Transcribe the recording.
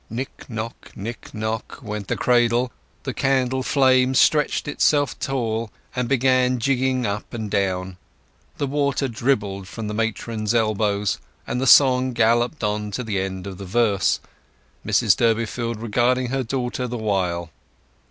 Nick knock, nick knock, went the cradle; the candle flame stretched itself tall, and began jigging up and down; the water dribbled from the matron's elbows, and the song galloped on to the end of the verse, Mrs Durbeyfield regarding her daughter the while.